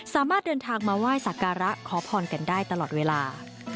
สามารถเดินทางมาไหว้สักการะขอพรกันได้ตลอดเวลา